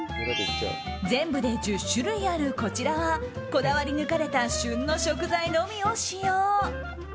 全部で１０種類あるこちらはこだわり抜かれた旬の食材のみを使用。